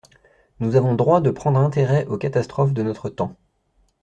Nous avons droit de prendre intérêt aux catastrophes de notre temps.